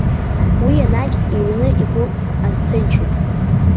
Уи ианагь иҩны игәы азҭынчуп.